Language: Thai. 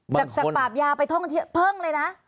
จากปราบยาไปเพิ่งเลยนะ